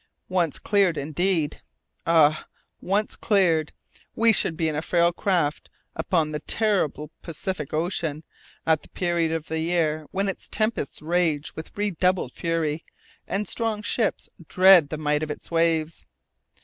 Once cleared indeed Ah! once cleared, we should be in a frail craft upon the terrible Pacific Ocean, at the period of the year when its tempests rage with redoubled fury and strong ships dread the might of its waves.